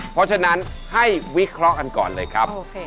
เพราะฉะนั้นให้วิเคราะห์กันก่อนเลยครับ